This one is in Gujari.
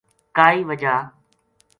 کائے وجہ